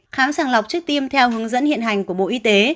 khám sàng lọc trước tiêm theo hướng dẫn hiện hành của bộ y tế